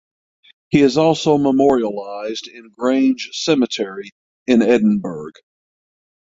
He is also memorialised in Grange Cemetery in Edinburgh.